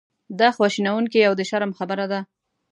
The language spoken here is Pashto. دا خواشینونکې او د شرم خبره ده.